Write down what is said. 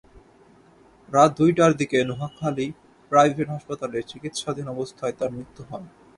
রাত দুইটার দিকে নোয়াখালী প্রাইভেট হাসপাতালে চিকিৎসাধীন অবস্থায় তাঁর মৃত্যু হয়।